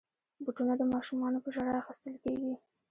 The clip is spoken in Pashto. بوټونه د ماشومانو په ژړا اخیستل کېږي.